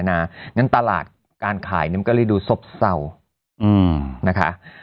งั้นตลาดการขายมันก็เลยดูซบเศร้านะคะ